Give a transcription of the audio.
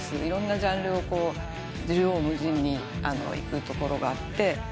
いろんなジャンルを縦横無尽にいくところがあって。